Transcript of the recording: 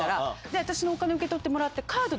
私のお金を受け取ってもらって。